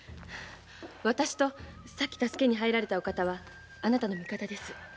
私とさっき助けに入られたお方はあなたの味方です。